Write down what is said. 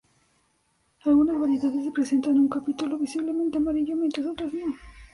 Algunas variedades presentan un Capítulo visiblemente amarillo mientras otras no.